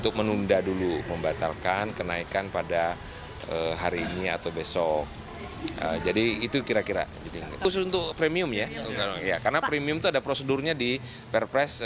tamak dan pertadeks